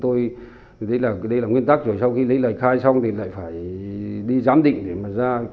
tôi thấy là đây là nguyên tắc rồi sau khi lấy lời khai xong thì lại phải đi giám định để mà ra